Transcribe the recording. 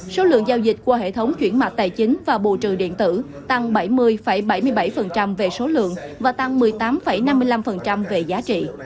số lượng giao dịch qua hệ thống chuyển mạch tài chính và bù trừ điện tử tăng bảy mươi bảy mươi bảy về số lượng và tăng một mươi tám năm mươi năm về giá trị